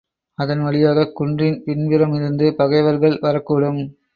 அதன் வழியாகக் குன்றின் பின்புறமிருந்து பகைவர்கள் வரக்கூடும்.